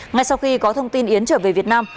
ngay sau khi có thông tin yến trở về việt nam